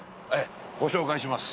ご紹介します。